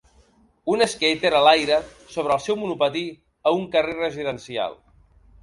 Un skater a l'aire sobre el seu monopatí a un carrer residencial.